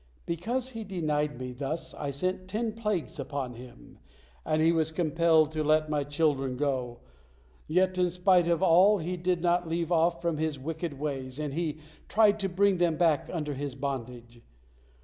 Because he denied Me thus, I sent ten plagues upon him, and he was compelled to let My children go. Yet, in spite of all, he did not leave off from his wicked ways, and he tried to bring them back under his bondage.